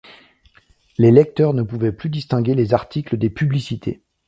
Les lecteurs ne pouvaient plus distinguer les articles des publicités.